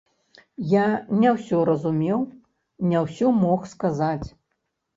Я не ўсё разумеў, не ўсё мог сказаць.